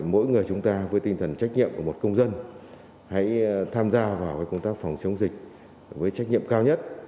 mỗi người chúng ta với tinh thần trách nhiệm của một công dân hãy tham gia vào công tác phòng chống dịch với trách nhiệm cao nhất